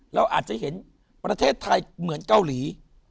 เราอาจจะเห็นประเทศไทยเหมือนเกาหลี